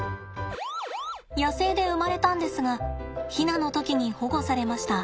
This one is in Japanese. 野生で生まれたんですがヒナの時に保護されました。